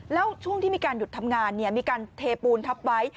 แล้วช่วงที่มีการหยุดทำงานมีการเทปูนทับไว้